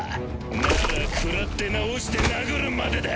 ならくらって治して殴るまでだ。